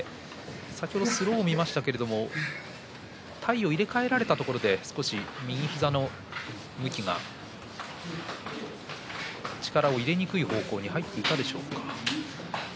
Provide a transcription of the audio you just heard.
先ほどスローを見ましたが体を入れ替えられたところで少し右膝の動きが力を入れにくい方向に入っていったでしょうか。